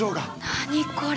何これ。